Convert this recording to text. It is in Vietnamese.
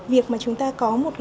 việc chúng ta có một góc văn học nga